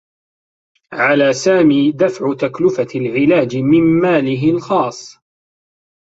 على سامي دفع تكلفة العلاج من ماله الخاص.